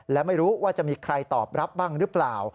และไม่รู้ว่าจะมีใครตอบรับบ้างหรือเปล่า